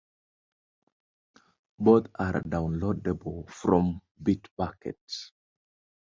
Both are downloadable from Bitbucket.